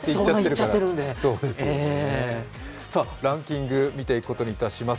さてランキングを見ていくことにします。